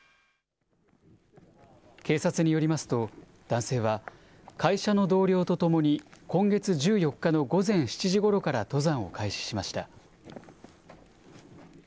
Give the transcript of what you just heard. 警察によりますと、男性は会社の同僚と共に、今月１４日の午前７時ごろから登山を開始しました。